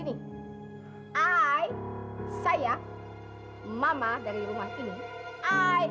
ai saya mama dari rumah ini